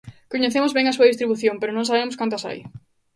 Coñecemos ben a súa distribución pero non sabemos cantas hai.